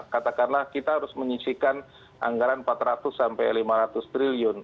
katakanlah kita harus menyisikan anggaran empat ratus sampai lima ratus triliun